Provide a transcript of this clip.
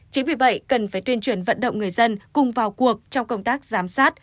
chính vì vậy cần phải tuyên truyền vận động người dân cùng vào cuộc trong công tác giám sát